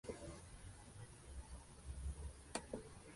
Pero no creo que vaya a estar tan limpio como eso.